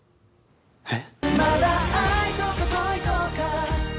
えっ？